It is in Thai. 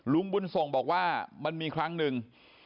ลุงบุญส่งบอกว่ามันมีครั้งหนึ่ง